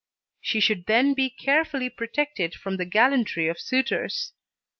She should then be carefully protected from the gallantry of suitors.